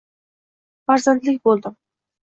Farzandlik bo'ldim.